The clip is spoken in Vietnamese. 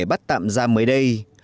bắt tạm ra mới đây